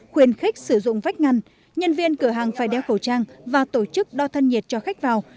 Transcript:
khuyên khách sử dụng vách ngăn nhân viên cửa hàng phải đeo khẩu trang và tổ chức đo thân nhiệt cho khách vào